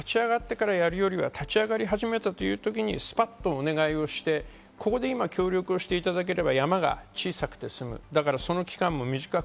例えば人流の抑制も感染者が出てからやるよりは、立ち上がり始めたという時にスパッとお願いをして、ここで今、協力をしていただければ山が小さくてすむ。